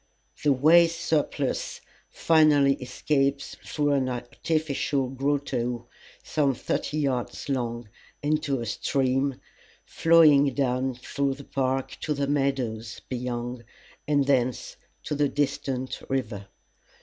The waste surplus finally escapes through an artificial grotto, some thirty yards long, into a stream, flowing down through the park to the meadows beyond, and thence to the distant river.